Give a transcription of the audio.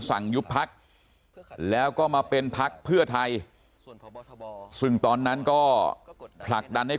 ยุบพักแล้วก็มาเป็นพักเพื่อไทยซึ่งตอนนั้นก็ผลักดันให้